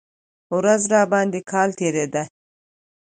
ورځ راباندې کال تېرېده.